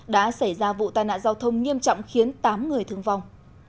đã xảy ra vụ tai nạn giao thông nghiêm trọng khiến tám người thương vong